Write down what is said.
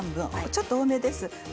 ちょっと多めですね。